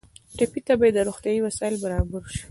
ټپي ته باید روغتیایي وسایل برابر شي.